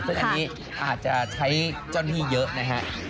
อันนี้อาจจะใช้เจ้านี่เยอะนะครับ